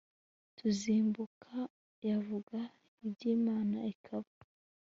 kuzimbuka, yavuga iby'imana ikaba